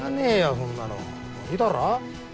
そんなのもういいだろ？